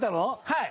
はい。